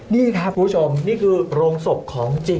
นี่ครับคุณผู้ชมนี่คือโรงศพของจริง